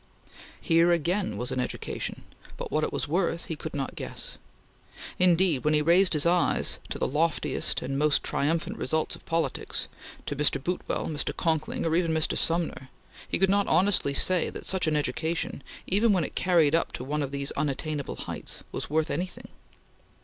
Here again was an education, but what it was worth he could not guess. Indeed, when he raised his eyes to the loftiest and most triumphant results of politics to Mr. Boutwell, Mr. Conkling or even Mr. Sumner he could not honestly say that such an education, even when it carried one up to these unattainable heights, was worth anything.